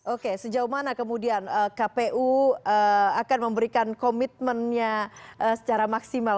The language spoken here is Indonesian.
oke sejauh mana kemudian kpu akan memberikan komitmennya secara maksimal